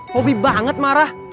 hobi banget marah